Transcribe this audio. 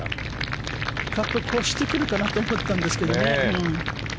カップ越してくるかなと思ったんですけどね。